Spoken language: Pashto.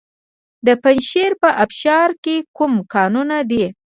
د پنجشیر په ابشار کې کوم کانونه دي؟